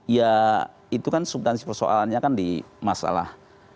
ya itu kan subtansi persoalannya kan di masalah